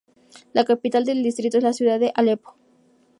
La capital del distrito es la ciudad de Alepo.